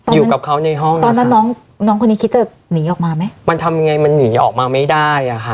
อยู่กับเขาในห้องตอนนั้นน้องน้องคนนี้คิดจะหนีออกมาไหมมันทำยังไงมันหนีออกมาไม่ได้อ่ะค่ะ